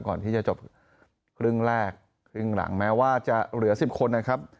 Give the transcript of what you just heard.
ก่อนที่จะจบครึ่งแรกครึ่งหลังแม้ว่าจะเหลือ๑๐คนนะครับ